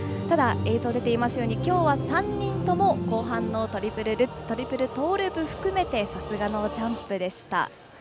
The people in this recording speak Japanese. ただ映像出ていますようにきょうは３人とも後半のトリプルルッツトリプルトーループ含めてさすがのジャンプでした。